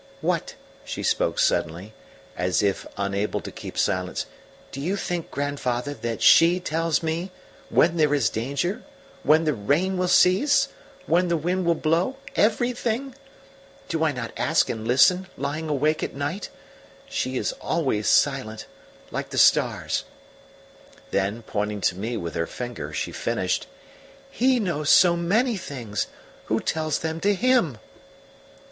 "What!" she spoke suddenly, as if unable to keep silence, "do you think, grandfather, that SHE tells me when there is danger when the rain will cease when the wind will blow everything? Do I not ask and listen, lying awake at night? She is always silent, like the stars." Then, pointing to me with her finger, she finished: "HE knows so many things! Who tells them to HIM?"